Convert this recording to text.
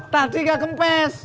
tadi nggak kempes